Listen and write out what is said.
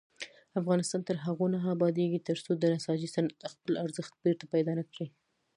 افغانستان تر هغو نه ابادیږي، ترڅو د نساجي صنعت خپل ارزښت بیرته پیدا نکړي.